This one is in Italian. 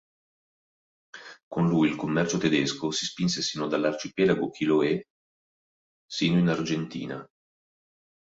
Con lui il commercio tedesco si spinse sino dall'arcipelago Chiloé sino in Argentina.